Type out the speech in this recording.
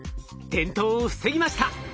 転倒を防ぎました。